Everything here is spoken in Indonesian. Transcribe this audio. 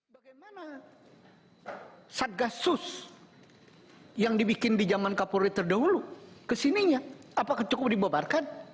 bagaimana saat gas sus yang dibikin di jaman kapolri terdahulu kesininya apakah cukup dibubarkan